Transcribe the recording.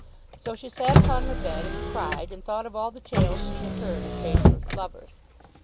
So she sat upon her bed and cried, and thought of all the tales she had heard of faithless lovers.